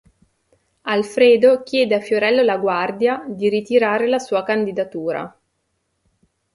Alfredo chiede a Fiorello La Guardia di ritirare la sua candidatura.